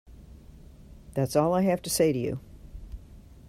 That's all I have to say to you!